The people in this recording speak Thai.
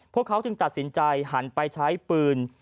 พวกเขาจึงตัดสินใจหันไปใช้ปืน